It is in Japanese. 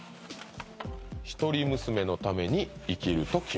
「一人娘のために生きると」